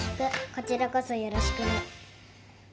こちらこそよろしく。